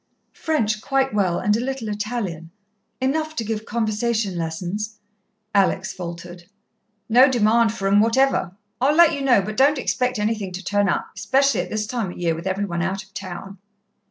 "French quite well and a little Italian. Enough to give conversation lessons," Alex faltered. "No demand for 'em whatever. I'll let you know, but don't expect anything to turn up, especially at this time of year, with every one out of town."